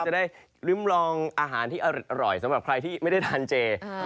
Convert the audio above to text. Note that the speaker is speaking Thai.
จะได้ลิ้มลองอาหารที่อร่อยสำหรับใครที่ไม่ได้ทานเจ